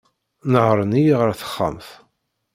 Nehren-iyi ɣer texxamt.